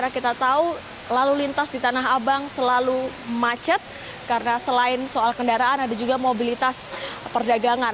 kita tahu lalu lintas di tanah abang selalu macet karena selain soal kendaraan ada juga mobilitas perdagangan